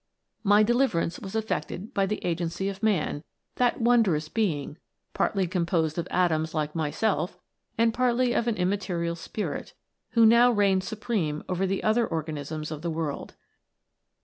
" My deliverance was effected by the agency of Man, that wondrous being, partly composed ot atoms like myself, and partly of an immaterial spirit, who now reigned supreme over the other organisms of the world.